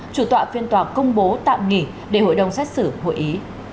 chủ tọa phiên tòa công bố tạm nghỉ để hội đồng xét xử hội ý